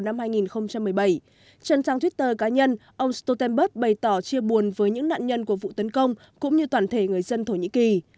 năm hai nghìn một mươi bảy trận trang twitter cá nhân ông stoltenberg bày tỏ chia buồn với những nạn nhân của vụ tấn công cũng như toàn thể người dân thổ nhĩ kỳ